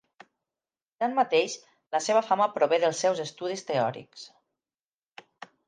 Tanmateix la seva fama prové dels seus estudis teòrics.